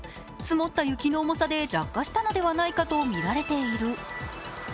積もった雪の重さで落下したのではないかとみられている。